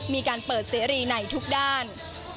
มีการเปิดเสรีในทุกด้าน